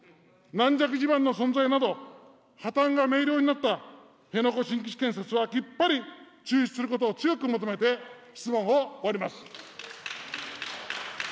軟弱地盤の存在など、破綻が明瞭になった辺野古新基地建設はきっぱり中止することを強く求めて、質問を終わります。